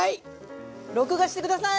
録画して下さい！